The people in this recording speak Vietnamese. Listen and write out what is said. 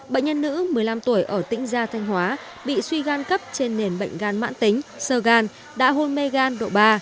bệnh nhân nữ một mươi năm tuổi ở tỉnh gia thanh hóa bị suy gan cấp trên nền bệnh gan mãn tính sơ gan đã hôn mê gan độ ba